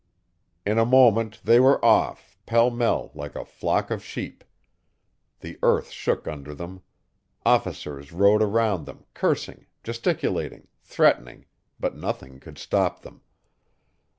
In a moment they were off, pell mell, like a flock of sheep. The earth shook under them. Officers rode around them, cursing, gesticulating, threatening, but nothing could stop them.